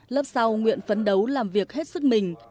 lớp sau nguyễn phấn đấu làm việc hết sức